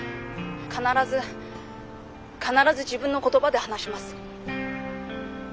必ず必ず自分の言葉で話します」。